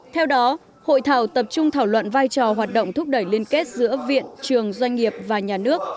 theo đó hội thảo tập trung thảo luận vai trò hoạt động thúc đẩy liên kết giữa viện trường doanh nghiệp và nhà nước